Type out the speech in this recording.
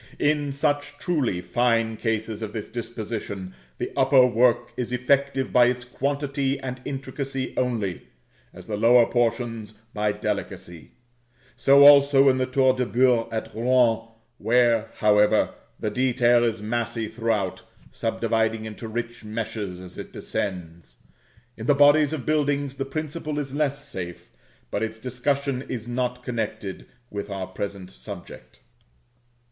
In such truly fine cases of this disposition the upper work is effective by its quantity and intricacy only, as the lower portions by delicacy; so also in the Tour de Beurre at Rouen, where, however, the detail is massy throughout, subdividing into rich meshes as it ascends. In the bodies of buildings the principle is less safe, but its discussion is not connected with our present subject.